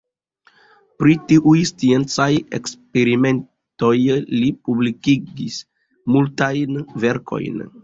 Pri tiuj sciencaj eksperimentoj li publikigis multajn verkojn.